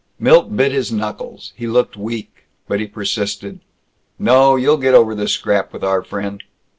Milt bit his knuckles. He looked weak. But he persisted, "No, you'll get over this scrap with our friend.